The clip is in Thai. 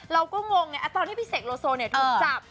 เราก็งงเนี่ยตอนที่พี่เสกโลโซเนี่ยถูกจับ